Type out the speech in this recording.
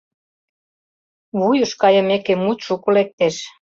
Вуйыш кайымеке, мут шуко лектеш.